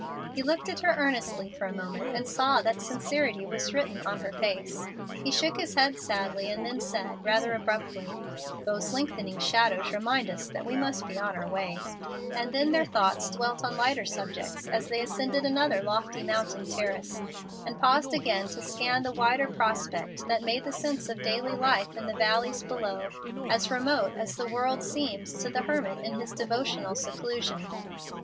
He looked at her earnestly for a moment and saw that sincerity was written on her face. He shook his head sadly, and then said, rather abruptly, "Those lengthening shadows remind us that we must be on our way"; and then their thoughts dwelt on lighter subjects as they ascended another lofty mountain terrace, and paused again to scan the wider prospect that made the sense of daily life in the valleys below as remote as the world seems to the hermit in his devotional seclusion.